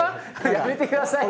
やめてくださいよ。